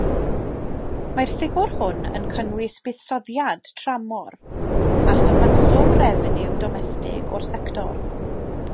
Mae'r ffigwr hwn yn cynnwys buddsoddiad tramor a chyfanswm refeniw domestig o'r sector.